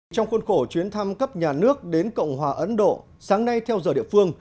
trong khuôn khổ chuyến thăm cấp nhà nước đến cộng hòa ấn độ sáng nay theo giờ địa phương